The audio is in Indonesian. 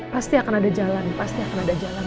pasti akan ada jalan pasti akan ada jalan